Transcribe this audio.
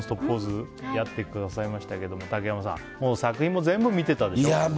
ポーズやってくださいましたけど竹山さん作品も全部見てたでしょ？